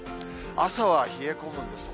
朝は冷え込むんです。